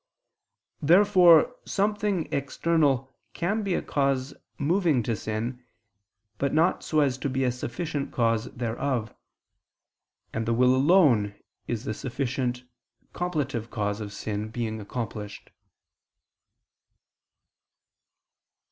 Therefore something external can be a cause moving to sin, but not so as to be a sufficient cause thereof: and the will alone is the sufficient completive cause of sin being accomplished.